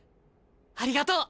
ありがとう！